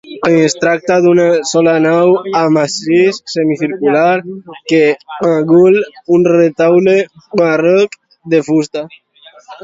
Es tracta d'una sola nau, amb absis semicircular que acull un retaule barroc de fusta.